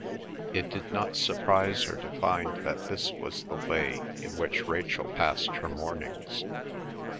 It did not surprise her to find that this was the way in which Rachel passed her mornings.